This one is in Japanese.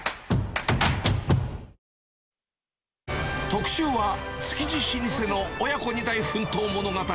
特集は、築地老舗の親子２代奮闘物語。